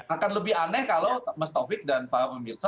akan lebih aneh kalau mas taufik dan para pemirsa